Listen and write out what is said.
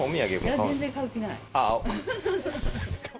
いや、全然買う気ない。